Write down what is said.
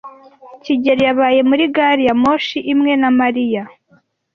kigeli yabaye muri gari ya moshi imwe na Mariya.